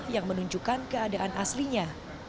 yang menunjukkan keadaan aslinya